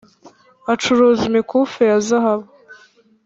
acuruza imikufe ya zahabu